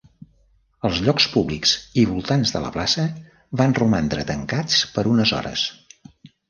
Els llocs públics i voltants de la plaça van romandre tancats per unes hores.